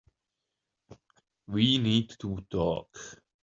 We need to talk.